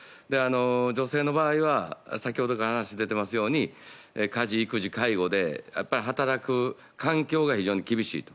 女性の場合は先ほどから話出てますように家事、育児、介護で働く環境が非常に厳しいと。